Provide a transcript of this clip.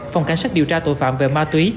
phòng cảnh sát điều tra tội phạm về ma túy